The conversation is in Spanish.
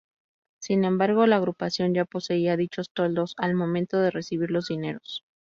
Sin embargo, la agrupación ya poseía dichos toldos al momento de recibir los dineros.